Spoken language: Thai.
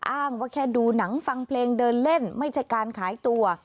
อ้างว่าแค่ดูหนังฟังเพลงเดินเล่นไม่ใช่การขายตัว